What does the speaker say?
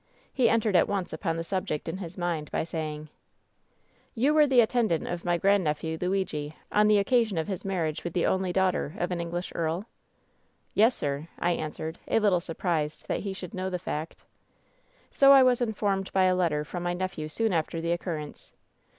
He en tered at once upon the subject in his mind by saying: " ^You were the attendant of my grandnephew, Luigi, WHEN SHADOWS DIE 241 on the occasion of his marriage with the only daughter of an English earl ?^" ^Yes, sir/ I answered, a little surprised that he should know the fact. " ^So I was informed by a letter from my nephew so«n after the occurrence.